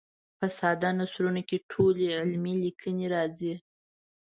په ساده نثرونو کې ټولې علمي لیکنې راځي.